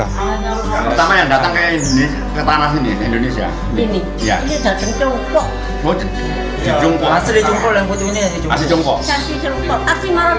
yang pertama yang datang ke tanah ini indonesia